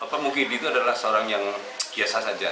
pak mukidi itu adalah seorang yang kiasas saja